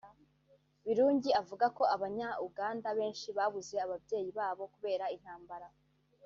Birungi avuga ko Abanya-Uganda benshi babuze ababyeyi babo kubera intambara